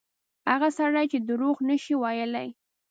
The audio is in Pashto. هغه سړی چې دروغ نه شي ویلای.